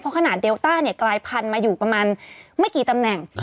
ขนาดเดลต้าเนี่ยกลายพันธุ์มาอยู่ประมาณไม่กี่ตำแหน่ง